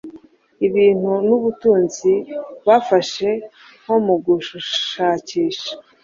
Ibintu nubutunzi bafashe nkomugushakisha